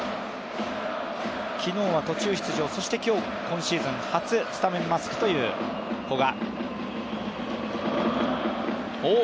昨日は途中出場、そして今日、今シーズン初スタメンマスクという古賀。